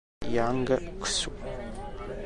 Yang Xu